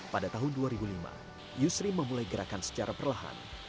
pada tahun dua ribu lima yusri memulai gerakan secara perlahan